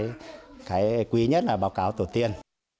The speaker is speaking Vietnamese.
đó chính là cái quý nhất là báo cáo tổ tiên